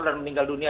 dan meninggal dunia